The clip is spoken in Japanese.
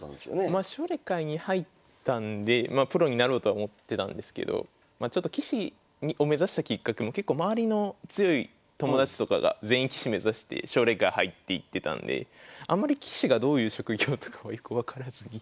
まあ奨励会に入ったんでまあプロになろうとは思ってたんですけどちょっと棋士を目指したきっかけも結構周りの強い友達とかが全員棋士目指して奨励会入っていってたんであんまり棋士がどういう職業とかはよく分からずに。